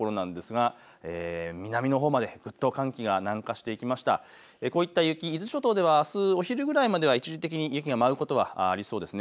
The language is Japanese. こういった雪、伊豆諸島ではあすの昼ぐらいまでは一時的に雪が舞うことはありそうです。